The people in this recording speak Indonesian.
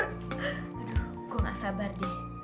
aduh kok gak sabar deh